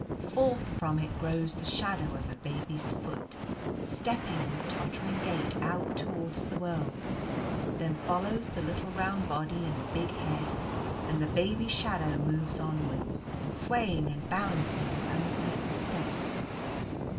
Forth from it grows the shadow of a Baby's foot, stepping with tottering gait out towards the world; then follows the little round body and the big head, and the Baby shadow moves onwards, swaying and balancing with uncertain step.